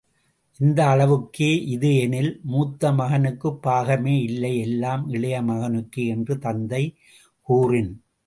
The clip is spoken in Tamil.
இந்த அளவுக்கே இது எனில், மூத்த மகனுக்குப் பாகமே இல்லை எல்லாம் இளைய மகனுக்கே என்று தந்தை கூறின்.